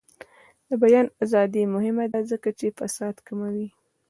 د بیان ازادي مهمه ده ځکه چې فساد کموي.